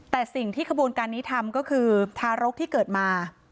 แต่สิ่งที่ขบวนการนี้ทำก็คือทารกที่เกิดมา